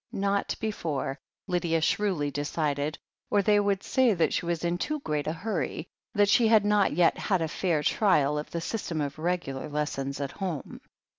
Not before, Lydia shrewly decided, or they would say that she was in too great a hurry, that she had not yet had a fair trial of the system of regular lessons at home.